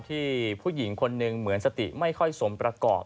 ผู้หญิงคนหนึ่งเหมือนสติไม่ค่อยสมประกอบ